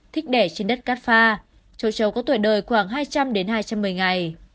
thích đẻ trên đất cát châu chấu có tuổi đời khoảng hai trăm linh đến hai trăm một mươi ngày